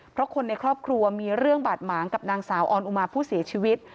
เพราะคนในครอบครัวมีเรื่องบาดหมางกับนางสาวออนอุมาผู้เสียชีวิต